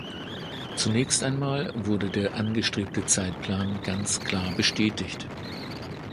Zunächst einmal wurde der angestrebte Zeitplan ganz klar bestätigt.